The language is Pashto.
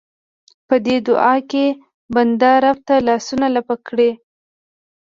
په دې دعا کې بنده رب ته لاسونه لپه کړي.